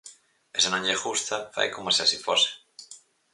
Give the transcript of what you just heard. E se non lle gusta, fai coma se así fose.